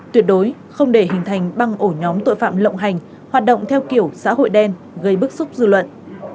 tuyệt đối không để hình thành băng ổ nhóm tội phạm lộng hành hoạt động theo kiểu xã hội đen gây bức xúc dư luận